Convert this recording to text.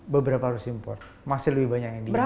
beberapa harus impor masih lebih banyak yang diimpor